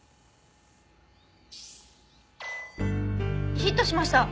ヒットしました！